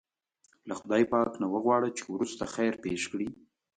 له خدای پاک نه وغواړه چې وروسته خیر پېښ کړي.